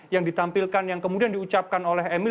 yang ditampilkan yang kemudian diucapkan oleh emil